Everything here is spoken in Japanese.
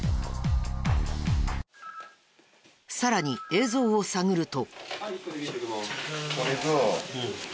さらに映像を探ると。